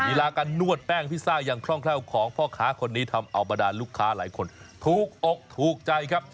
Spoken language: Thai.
ลาการนวดแป้งพิซซ่ายังคล่องแคล่วของพ่อค้าคนนี้ทำเอาบรรดาลูกค้าหลายคนถูกอกถูกใจครับ